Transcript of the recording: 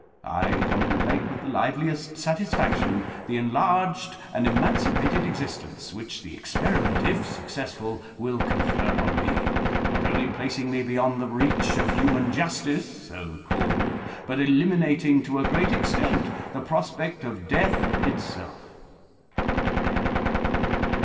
I contemplate with the liveliest satisfaction the enlarged and emancipated existence which the experiment, if successful, will confer on me; not only placing me beyond the reach of human justice (so called), but eliminating to a great extent the prospect of death itself."